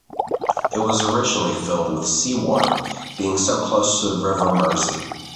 It was originally filled with sea water, being so close to the River Mersey.